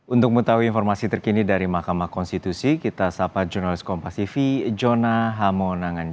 untuk mengetahui informasi terkini dari mahkamah konstitusi kita sapa jurnalis kompasifi jona hamonangan